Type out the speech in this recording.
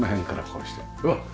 うわっ！